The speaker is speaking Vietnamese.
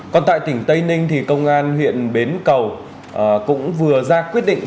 còn tại tỉnh tây ninh thì công an huyện bến cầu cũng vừa ra quyết định